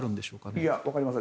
いや、わかりません。